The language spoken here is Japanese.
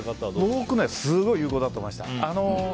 僕はすごく有効だと思いました。